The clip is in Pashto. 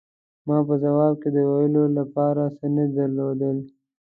ما په ځواب کې د ویلو له پاره څه نه درلودل.